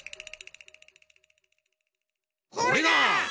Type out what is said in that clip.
これだ！